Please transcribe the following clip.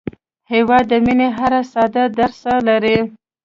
هېواد د مینې هره ساه درسره لري.